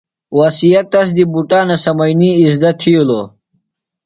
وسیعہ تس دی بُٹانہ سمئینی اِزدہ تھیلوۡ۔